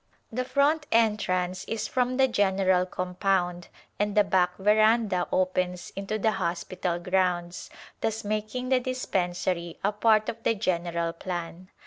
The front entrance is from the general compound and the back veranda opens into the hospital grounds, thus making the dispensary a part of the general plan.